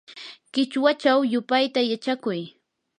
qichwachaw yupayta yachakuy.